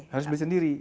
harus beli sendiri